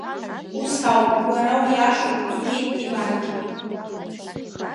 Ус ауп, уара уиашоуп, — иҳәеит Ивангьы.